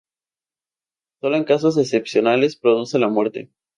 Sólo en casos excepcionales produce la muerte.